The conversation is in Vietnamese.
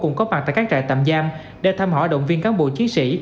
cũng có mặt tại các trại tạm giam để thăm họ động viên cán bộ chiến sĩ